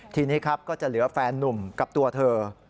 ทีนี้ครับก็จะเหลือแฟนนุ่มกับตัวเธอ